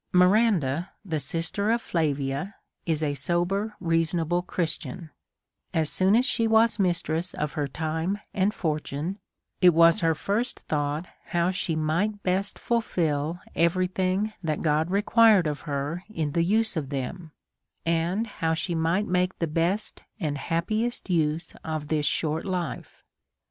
Miranda (the sister of Flavia) is a sober reasonable Christian ; as soon as she was mistress of her time and fortune, it was her first thought how she might best fulfil every thing that God required of her in the use of them, and how she might make the best and happi est use of this short life.